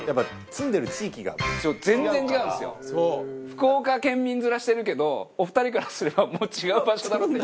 福岡県民面してるけどお二人からすればもう違う場所だろっていう。